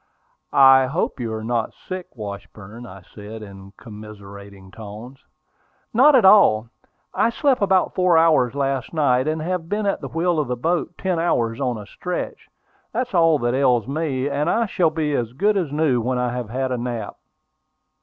"I hope you are not sick, Washburn," I said, in commiserating tones. "Not at all. I slept about four hours last night, and have been at the wheel of the boat ten hours on a stretch. That's all that ails me; and I shall be as good as new when I have had a nap."